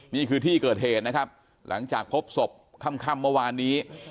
นี่คือที่เกิดเหตุนะครับหลังจากพบศพค่ำเมื่อวานนี้